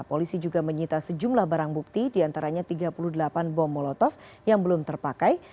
polisi juga menyita sejumlah barang bukti diantaranya tiga puluh delapan bom molotov yang belum terpakai